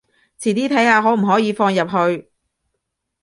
遲啲睇下可唔可以放入去